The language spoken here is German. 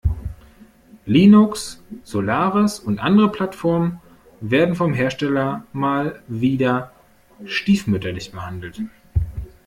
Linux, Solaris und andere Plattformen werden vom Hersteller mal wieder stiefmütterlich behandelt.